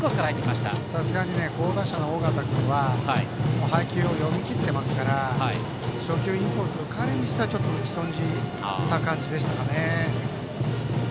さすがに好打者の緒方君は配球を読みきっていますから初球インコース、彼にしては打ち損じた感じでしたかね。